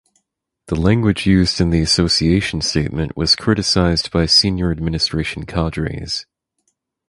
The language used in the association statement was criticised by senior administration cadres.